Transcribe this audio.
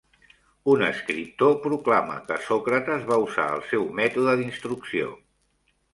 Un escriptor proclama que Sòcrates va usar el seu mètode d'instrucció.